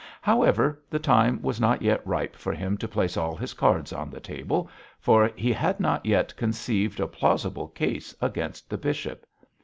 However, the time was not yet ripe for him to place all his cards on the table, for he had not yet conceived a plausible case against the bishop.